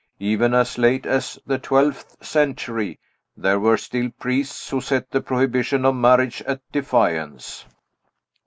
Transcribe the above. Even as late as the twelfth century, there were still priests who set the prohibition of marriage at defiance."